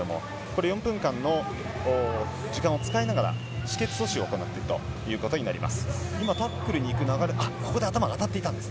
４分間の時間を使いながら止血措置を行っているということになります。